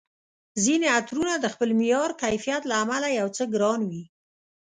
ځیني عطرونه د خپل معیار، کیفیت له امله یو څه ګران وي